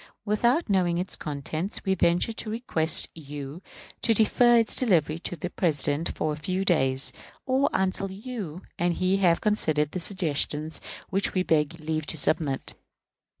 Without knowing its contents, we venture to request you to defer its delivery to the President for a few days, or until you and he have considered the suggestions which we beg leave to submit.